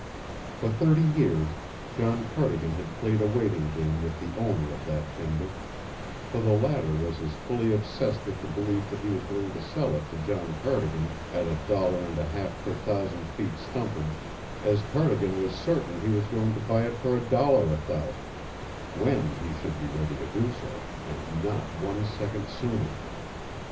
For thirty years John Cardigan had played a waiting game with the owner of that timber, for the latter was as fully obsessed with the belief that he was going to sell it to John Cardigan at a dollar and a half per thousand feet stumpage as Cardigan was certain he was going to buy it for a dollar a thousand when he should be ready to do so and not one second sooner.